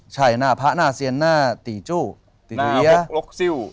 ใช่หน้าพระหน้าเซียนหน้าติจุติถุเยีย